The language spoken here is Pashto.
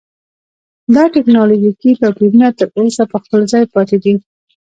دا ټکنالوژیکي توپیرونه تر اوسه په خپل ځای پاتې دي.